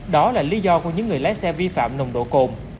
đó là lý do của những người lái xe vi phạm nồng độ cồn